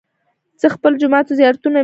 زه خپل جوماتونه، زيارتونه، امامان ګټم